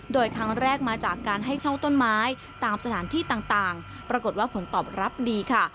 โดยครั้งแรกมาจากการให้เช่าต้นไม้ตามสถานที่ต่างปรากฏว่าผลตอบรับดีค่ะ